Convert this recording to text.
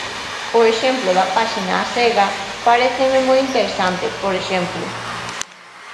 O exemplo da páxina A Sega paréceme moi interesante, por exemplo.